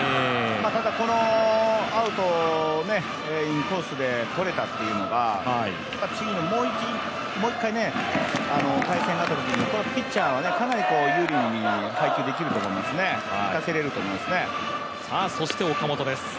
ただ、このアウトね、インコースでとれたっていうのが次のもう１回、対戦のときにピッチャーかなり有利に配球できると思いますね、打たせれると思いますね。